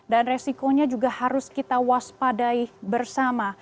dan resikonya juga harus kita waspadai bersama